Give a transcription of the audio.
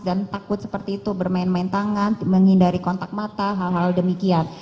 dan takut seperti itu bermain main tangan menghindari kontak mata hal hal demikian